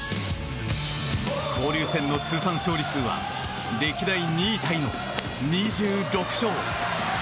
交流戦の通算勝利数は歴代２位タイの２６勝。